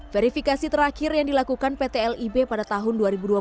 verifikasi terakhir yang dilakukan pt lib pada tahun dua ribu dua puluh